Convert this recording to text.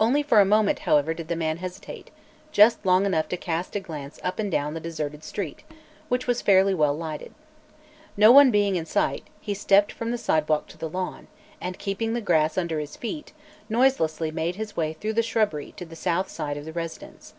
Only for a moment, however, did the man hesitate just long enough to cast a glance up and down the deserted street, which was fairly well lighted. No one being in sight, he stepped from the sidewalk to the lawn, and keeping the grass under his feet, noiselessly made his way through the shrubbery to the south side of the residence.